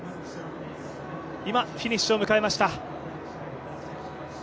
今、フィニッシュを迎えました。